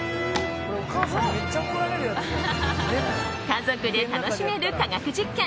家族で楽しめる科学実験。